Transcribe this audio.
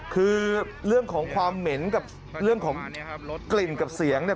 คือเรื่องของความเหม็นกับเรื่องของกลิ่นกับเสียงเนี่ย